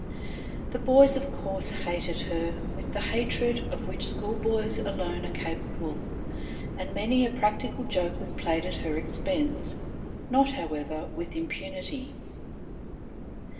The boys of course hated her with the hatred of which schoolboys alone are capable, and many a practical joke was played at her expense, not, however, with impunity.